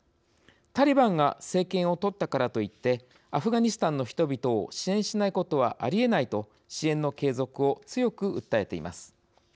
タリバンが政権をとったからといってアフガニスタンの人々を支援しないことはありえない」と支援の継続を強く訴えています。